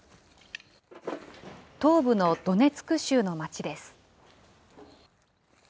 東部のドネツク州の街です。